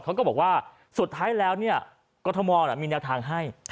เขาก็บอกว่าสุดท้ายแล้วกรทมมีแนวทางให้